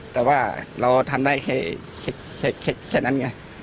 แต่ว่าเราทำได้แค่นั้นไง